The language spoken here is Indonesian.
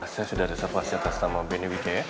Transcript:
saya sudah reservasi atas sama bni wk